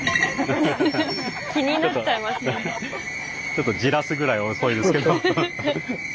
ちょっとじらすぐらい遅いですけど。